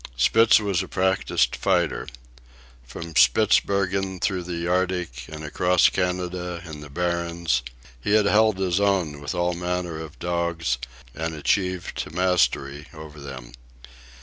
Spitz was a practised fighter. From Spitzbergen through the Arctic, and across Canada and the Barrens, he had held his own with all manner of dogs and achieved to mastery over them.